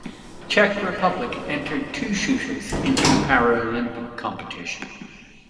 Czech Republic entered two shooters into the Paralympic competition.